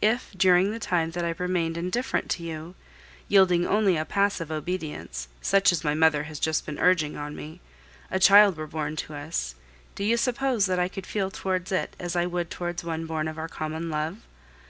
If during the time that I remained indifferent to you (yielding only a passive obedience, such as my mother has just been urging on me) a child were born to us, do you suppose that I could feel towards it as I would towards one born of our common love?